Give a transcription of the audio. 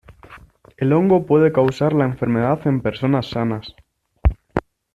El hongo puede causar la enfermedad en personas sanas.